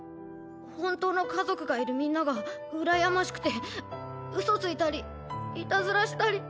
本当の家族がいるみんなが羨ましくてうそついたりいたずらしたり。